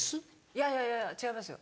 いやいやいや違いますよ。